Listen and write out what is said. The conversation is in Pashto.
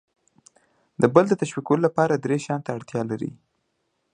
د بل د تشویقولو لپاره درې شیانو ته اړتیا لر ئ :